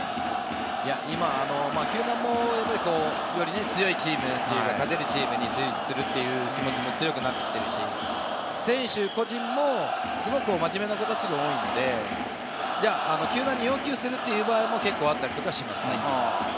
今、球団もより強いチーム、勝てるチームにするという気持ちも強くなっていますし、選手個人もすごく真面目な子たちが多いので、球団に要求するという場合も結構あったりとかしますね。